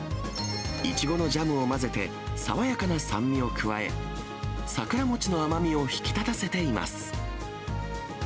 イチゴのジャムを混ぜて、爽やかな酸味を加え、桜餅の甘みを引き立たせています。